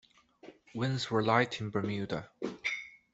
Winds were light in Bermuda.